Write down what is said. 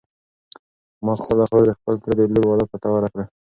ما خپله خور د خپل تره د لور واده ته تیاره کړه.